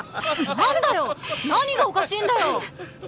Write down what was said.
なな何がおかしいんだよ